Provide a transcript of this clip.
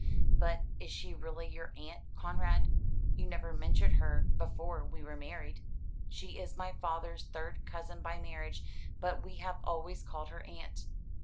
"But is she really your aunt, Conrad? You never mentioned her before we were married?" "She is my father's third cousin by marriage; but we have always called her Aunt.